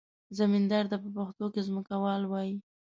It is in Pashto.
زمیندار ته په پښتو کې ځمکوال وایي.